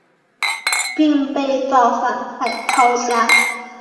并被造反派抄家。